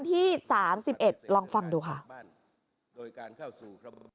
ที่๓๑ลองฟังดูค่ะ